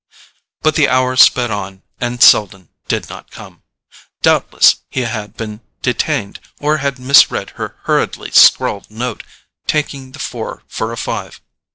But the hour sped on and Selden did not come. Doubtless he had been detained, or had misread her hurriedly scrawled note, taking the four for a five.